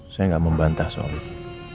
saya nggak membantah soal itu